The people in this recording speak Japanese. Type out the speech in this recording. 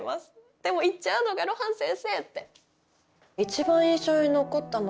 でも行っちゃうのが露伴先生って。